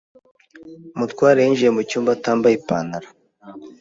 Mutware yinjiye mu cyumba, atambaye ipantaro.